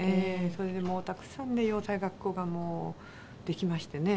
それでもうたくさんね洋裁学校ができましてね。